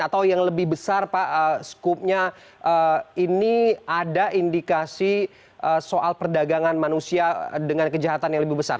atau yang lebih besar pak skupnya ini ada indikasi soal perdagangan manusia dengan kejahatan yang lebih besar